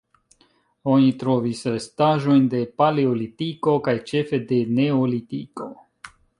Oni trovis restaĵojn de Paleolitiko kaj ĉefe de Neolitiko.